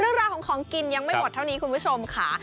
เรื่องราวของของกินยังไม่หมดเท่านี้คุณผู้ชมค่ะ